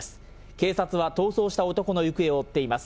警察は逃走した男の行方を追っています。